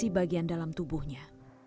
kondisi bagian dalam tubuhnya